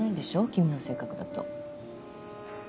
君の性格だと。